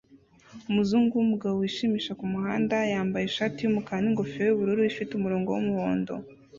Umuzungu wumugabo wishimisha kumuhanda yambaye ishati yumukara ningofero yubururu ifite umurongo wumuhondo